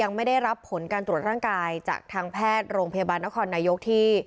ไม่ได้รับผลการตรวจร่างกายจากทางแพทย์โรงพยาบาลนครนายกที่